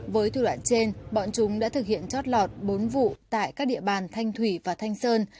với thủ đoạn trên bọn chúng đã thực hiện chót lọt bốn vụ tại các địa bàn thanh thủy và thanh sơn